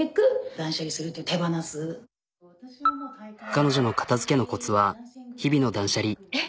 彼女の片づけのコツは日々の断捨離。